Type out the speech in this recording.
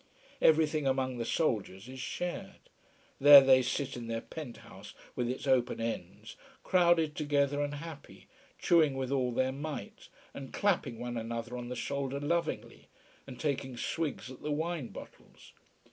Everything among the soldiers is shared. There they sit in their pent house with its open ends, crowded together and happy, chewing with all their might and clapping one another on the shoulder lovingly, and taking swigs at the wine bottles.